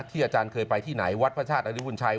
อาจารย์เคยไปที่ไหนวัดพระชาติอริบุญชัย